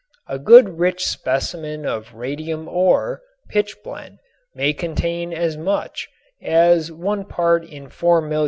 A good rich specimen of radium ore, pitchblende, may contain as much, as one part in 4,000,000.